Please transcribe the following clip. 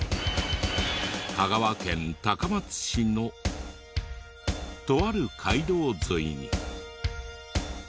香川県高松市のとある街道沿いに。